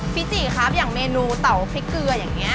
ติครับอย่างเมนูเตาพริกเกลืออย่างนี้